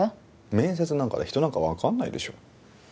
面接なんかで人なんかわかんないでしょ。